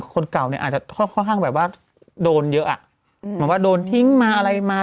คนเก่าเนี่ยอาจจะค่อนข้างแบบว่าโดนเยอะอ่ะเหมือนว่าโดนทิ้งมาอะไรมา